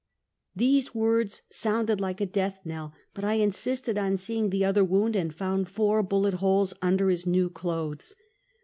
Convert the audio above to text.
" These words sounded like a death knell, but I in sisted on seeing the other wound, and found four bullet holes under his new clothes.